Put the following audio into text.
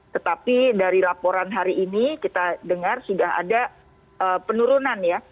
tetapi dari laporan hari ini kita dengar sudah ada penurunan ya